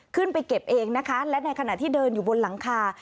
เก็บเองนะคะและในขณะที่เดินอยู่บนหลังคา